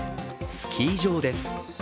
スキー場です。